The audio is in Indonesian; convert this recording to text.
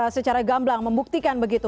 secara gamblang membuktikan begitu